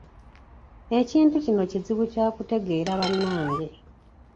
Ekintu kino kizibu kya kutegeera bannange.